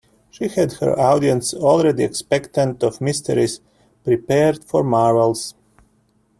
She had her audience already expectant of mysteries, prepared for marvels.